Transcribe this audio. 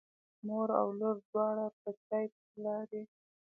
مور او لور دواړه په چای پسې لاړې.